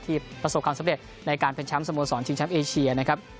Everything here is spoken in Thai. ที่ประสบความสำเร็จในการเป็นช้ำสมสรรค์ชิงช้ำเอเชีย